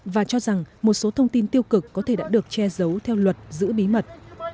và cho rằng một số thông tin tiêu cực có thể đã được che giấu theo luật giữ bí mật